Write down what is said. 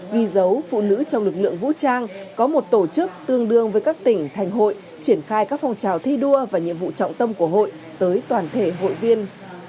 ghi dấu phụ nữ trong lực lượng vũ trang có một tổ chức tương đương với các tỉnh thành hội triển khai các phong trào thi đua và nhiệm vụ trọng tâm của hội tới toàn thể hội viên